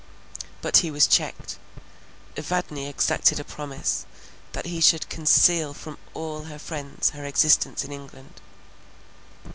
But he was checked; Evadne exacted a promise, that he should conceal from all her friends her existence in England.